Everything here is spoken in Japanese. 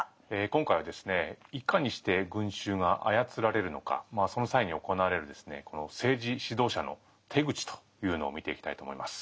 今回はいかにして群衆が操られるのかその際に行われるこの政治指導者の手口というのを見ていきたいと思います。